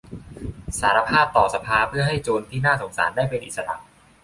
สารภาพต่อสภาเพื่อให้โจรที่น่าสงสารได้เป็นอิสระ